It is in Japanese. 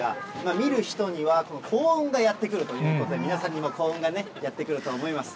見る人には幸運がやって来るということで、皆さんにも幸運がやって来ると思います。